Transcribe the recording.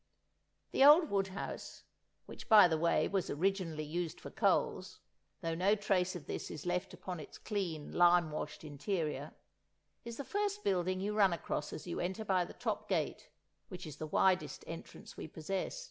The old wood house (which, by the way, was originally used for coals, though no trace of this is left upon its clean, lime washed interior) is the first building you run across as you enter by the top gate, which is the widest entrance we possess.